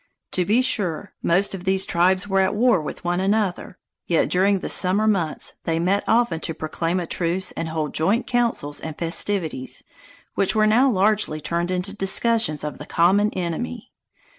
To be sure, most of these tribes were at war with one another, yet during the summer months they met often to proclaim a truce and hold joint councils and festivities, which were now largely turned into discussions of the common enemy.